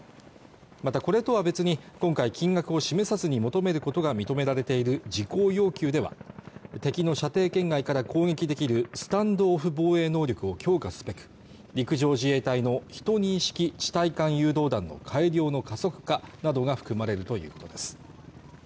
またこれとは別に今回金額を示さずに求めることが認められている事項要求では敵の射程圏外から攻撃できるスタンドオフ防衛能力を強化すべく陸上自衛隊の１２式地対艦誘導弾の改良の加速化などが含まれるということです